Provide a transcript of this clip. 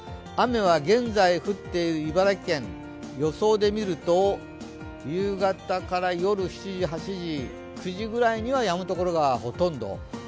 雨は現在、降っている茨城県、予想で見ると夕方から夜７時、８時、９時ぐらいにはやむところがほとんど。